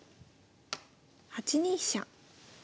８二飛車。